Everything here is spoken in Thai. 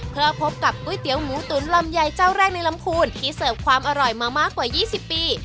เพื่อพบกับก๋วยเตี๋ยวหมูตุ๋นลำไยเจ้าแรกในลำพูนที่เสิร์ฟความอร่อยมามากกว่า๒๐ปี